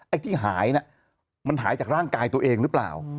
ไอ้ที่หายน่ะมันหายจากร่างกายตัวเองหรือเปล่า